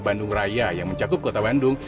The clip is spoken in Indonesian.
bandung raya yang mencakup kota bandung